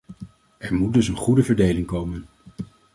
Er moet dus een goede verdeling komen.